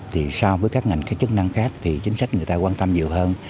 thì so với các ngành cái chức năng khác thì chính sách người ta quan tâm nhiều hơn